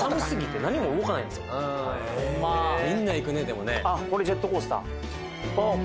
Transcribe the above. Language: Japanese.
みんな行くねでもねあっ